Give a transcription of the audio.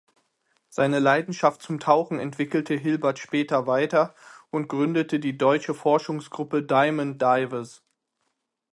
Seine Leidenschaft zum Tauchen entwickelte Hilbert später weiter und gründete die deutsche Forschungsgruppe „Diamond-Divers“.